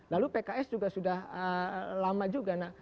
lalu pks juga sudah lama juga